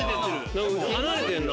何か離れてんな。